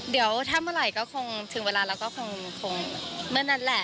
เดี๋ยวถ้าเมื่อไหร่ก็คงถึงเวลาแล้วก็คงเมื่อนั้นแหละ